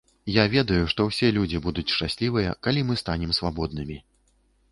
Я ведаю, што ўсе людзі будуць шчаслівыя, калі мы станем свабоднымі.